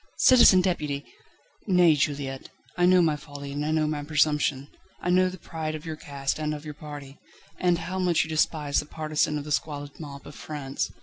"Citizen Deputy!" "Nay, Juliette; I know my folly, and I know my presumption. I know the pride of your caste and of your party, and how much you despise the partisan of the squalid mob of France.